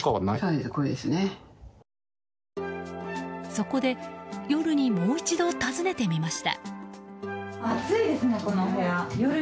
そこで、夜にもう一度訪ねてみました。